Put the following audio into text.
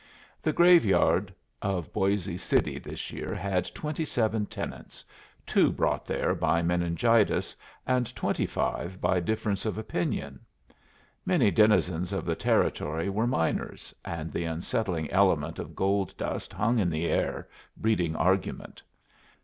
The graveyard of Boisé City this year had twenty seven tenants, two brought there by meningitis, and twenty five by difference of opinion. Many denizens of the Territory were miners, and the unsettling element of gold dust hung in the air, breeding argument.